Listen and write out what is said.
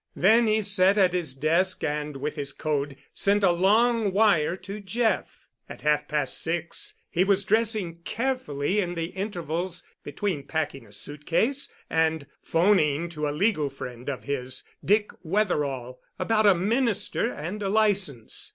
Then he sat at his desk and with his code sent a long wire to Jeff. At half past six he was dressing carefully in the intervals between packing a suit case and 'phoning to a legal friend of his, Dick Wetherall, about a minister and a license.